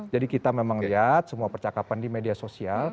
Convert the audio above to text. jadi kita memang lihat semua percakapan di media sosial